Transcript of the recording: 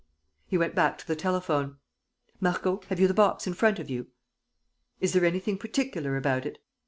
He went back to the telephone: "Marco, have you the box in front of you? ... Is there anything particular about it?